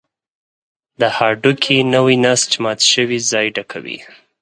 د هډوکي نوی نسج مات شوی ځای ډکوي.